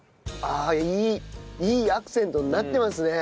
ああいいいいアクセントになってますね。